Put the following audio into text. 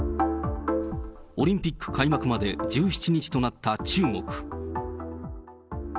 オリンピック開幕まで１７日となった中国。